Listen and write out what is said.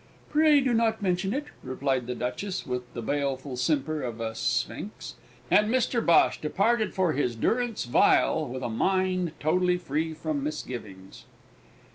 "Pray do not mention it," replied the Duchess, with the baleful simper of a Sphynx, and Mr Bhosh departed for his durance vile with a mind totally free from misgivings.